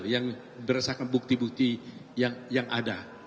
yang berdasarkan bukti bukti yang ada